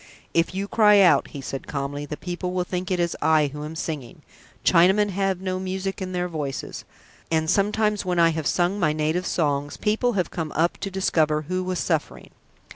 "If you cry out," he said calmly, "the people will think it is I who am singing! Chinamen have no music in their voices, and sometimes when I have sung my native songs, people have come up to discover who was suffering."